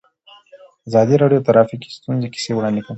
ازادي راډیو د ټرافیکي ستونزې کیسې وړاندې کړي.